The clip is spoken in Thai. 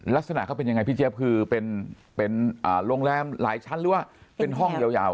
ลักษณะเขาเป็นยังไงพี่เจี๊ยบคือเป็นโรงแรมหลายชั้นหรือว่าเป็นห้องยาว